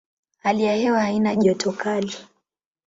Hali ya hewa haina joto kali.